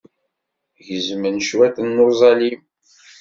Gezmen cwiṭ n uẓalim.